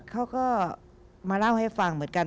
เขาก็มาเล่าให้ฟังเหมือนกัน